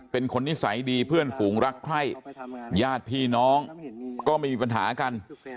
เป็นคนนิสัยดีเพื่อนฝูงรักใคร่ญาติพี่น้องก็ไม่มีปัญหากัน